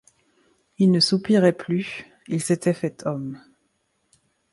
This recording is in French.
Il ne soupirait plus, il s’était fait homme.